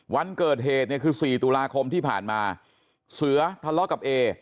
วันเกิดเหตุเนี่ยคือ๔ตุลาคมที่ผ่านมาเสือทะเลาะกับเอ